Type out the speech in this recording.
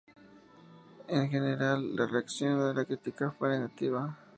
En general la reacción de la crítica fue negativa.